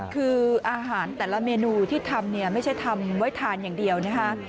คืออาหารแต่ละเมนูที่ทำเนี่ยไม่ใช่ทำไว้ทานอย่างเดียวนะคะ